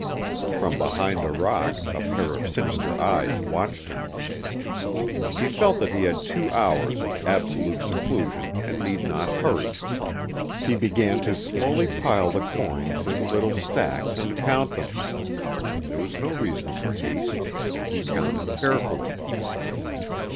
From behind a rock a pair of sinister eyes watched him! He felt that he had two hours of absolute seclusion and need not hurry. He began to slowly pile the coins in little stacks and count them. There was no reason for haste and he counted carefully.